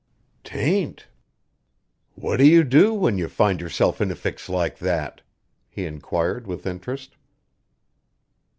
"'Tain't." "What do you do when you find yourself in a fix like that?" he inquired with interest.